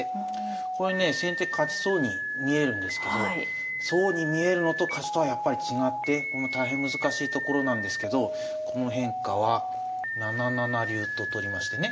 これね先手勝ちそうに見えるんですけどそうに見えるのと勝ちとはやっぱり違って大変難しいところなんですけどこの変化は７七竜と取りましてね。